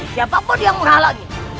siapa pun yang menghalangi